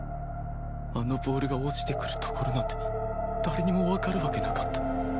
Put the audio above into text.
あのボールが落ちてくる所なんて誰にもわかるわけなかった